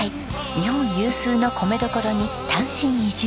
日本有数の米所に単身移住。